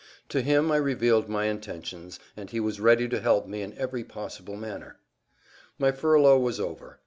To him I revealed my intentions, and he was ready to help me in every possible manner. My furlough was over.